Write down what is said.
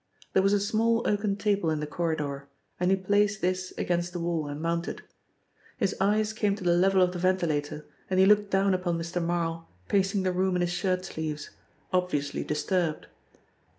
There was a small oaken table in the corridor and he placed this against the wall and mounted. His eyes came to the level of the ventilator and he looked down upon Mr. Marl pacing the room in his shirt sleeves, obviously disturbed.